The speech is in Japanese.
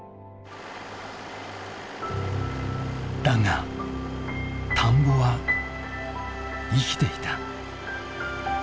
だが田んぼは生きていた。